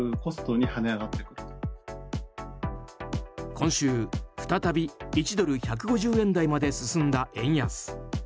今週、再び１ドル＝１５０円台まで進んだ円安。